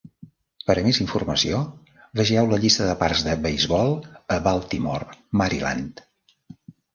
Per a més informació, vegeu la llista de parcs de beisbol a Baltimore, Maryland.